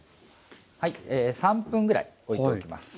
はい３分ぐらいおいておきます。